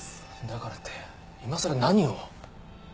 だからって今さら何を。